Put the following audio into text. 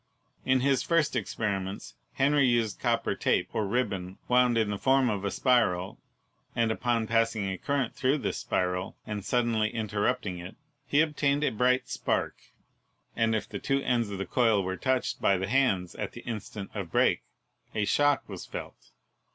In his first experiments Henry used copper tape or ribbon wound in the form of a spiral, and, upon passing a current through this spiral and suddenly interrupting it, he obtained a bright spark, and if the two ends of the coil were touched by the hands at the instant of break, a shock was felt.